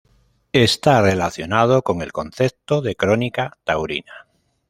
Está relacionado con el concepto de crónica taurina.